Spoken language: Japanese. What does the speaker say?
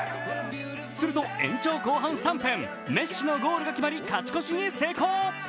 すると、延長後半３分メッシのゴールが決まり勝ち越しに成功。